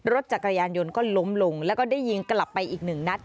รถจักรยานยนต์ก็ล้มลงแล้วก็ได้ยิงกลับไปอีกหนึ่งนัด